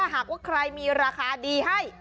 หากว่าใครมีราคาดีให้